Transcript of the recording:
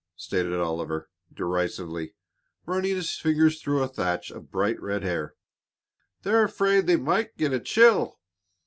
stated Oliver, derisively, running his fingers through a thatch of bright, red hair. "They're afraid they might get a chill."